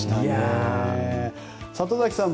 里崎さん